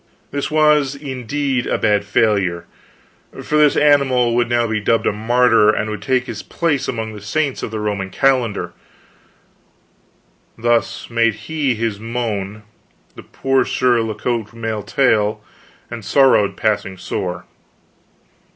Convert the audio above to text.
This was, indeed, a bad failure, for this animal would now be dubbed a martyr, and would take his place among the saints of the Roman calendar. Thus made he his moan, this poor Sir La Cote Male Taile, and sorrowed passing sore.